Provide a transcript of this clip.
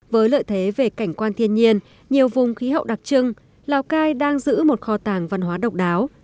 với lợi thế về cảnh quan thiên nhiên nhiều vùng khí hậu đặc trưng lào cai đang giữ một kho tàng văn hóa độc đáo